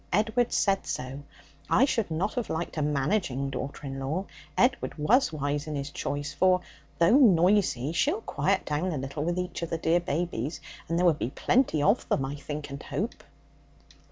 Edward said so. I should not have liked a managing daughter in law. Edward was wise in his choice. For, though noisy, she'll quiet down a little with each of the dear babies, and there will be plenty of them, I think and hope.'